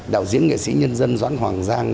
đạo diễn nghệ sĩ nhân dân doãn hoàng giang